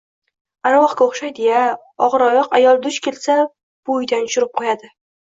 — Arvohga o‘xshaydi-ya? Og‘iroyoq ayol duch kelsa... bo‘yidan tushirib qo‘yadi.